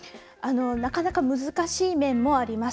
なかなか難しい面もあります。